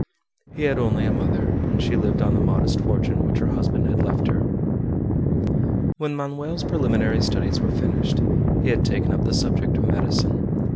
He had only a mother, and she lived on the modest fortune which her husband had left her. When Manoel's preliminary studies were finished, he had taken up the subject of medicine.